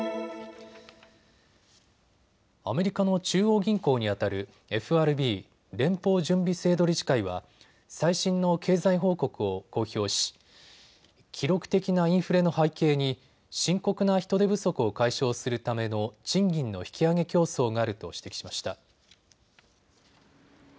アメリカの中央銀行にあたるＦＲＢ・連邦準備制度理事会は最新の経済報告を公表し記録的なインフレの背景に深刻な人手不足を解消するための賃金の引き上げ競争があると指摘しました。